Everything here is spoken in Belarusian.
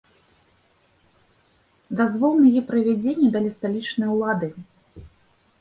Дазвол на яе правядзенне далі сталічныя ўлады.